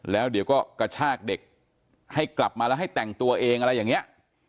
แล้วเดี๋ยวก็กระชากเด็กให้กลับมาแล้วให้แต่งตัวเองอะไรอย่างนี้